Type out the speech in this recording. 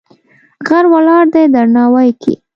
غر ولاړ دی درناوی کې.